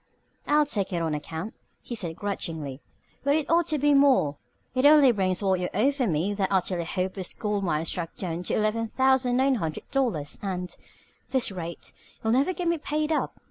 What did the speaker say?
"I'll take it on account," he said grudgingly, "but it ought to be more. It only brings what you owe me for that Utterly Hopeless Gold Mine stock down to eleven thousand nine hundred dollars and, at this rate, you'll never get me paid up.